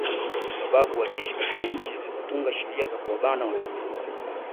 kwa sababu waliiishi katika nchi zilizotunga sheria za kuwabana wakimbizi